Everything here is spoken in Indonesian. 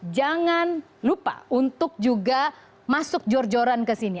jangan lupa untuk juga masuk jor joran ke sini